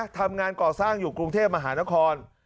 ทำงานก่อสร้างอยู่กรุงเทพมหานคร